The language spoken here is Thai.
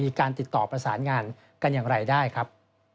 มีการติดต่อประสานงานกันอย่างไรได้ครับ